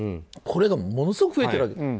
これがものすごく増えている。